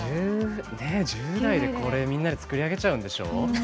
１０代で、これをみんなで作り上げちゃうんでしょ。